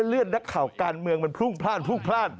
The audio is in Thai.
เล่าเลื่อนดัดข่าวการเมืองมันภูมิพลาดภูมิแปลน